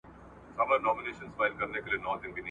یوه ورځ به دې پخپله بندیوان وي `